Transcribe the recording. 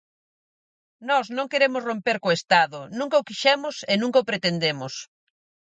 Nós non queremos romper co Estado, nunca o quixemos e nunca o pretendemos.